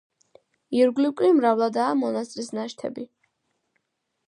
ირგვლივ კი მრავლადაა მონასტრის ნაშთები.